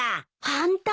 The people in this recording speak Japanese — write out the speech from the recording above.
ホント？